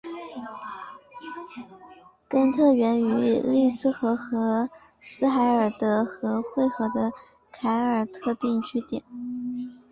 根特源于利斯河和斯海尔德河汇合的凯尔特定居点。